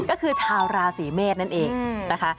ก็คือชาวราศีเมษนั่นเองนะคะ